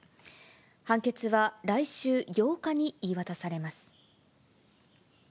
判決は来週８日に言い渡されます。